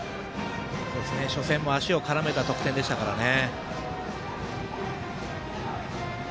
初戦も足を絡めた得点でしたからね。